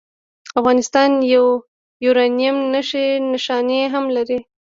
افغانستان د یورانیم نښې نښانې هم لري.